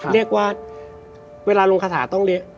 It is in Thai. เรียกว่าเวลาลงคาถาต้องเลี้ยง